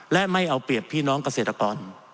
และไม่เอาเปรียบพี่น้องเกษตรกร